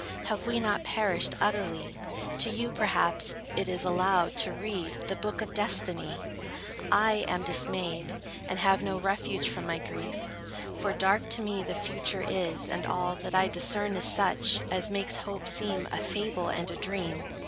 Have we not perished utterly? To you, perhaps, it is allowed, to read The book of destiny. I am dismayed, And have no refuge from my grief; For dark to me the future is, and all That I discern is such, as makes hope seem A fable and a dream.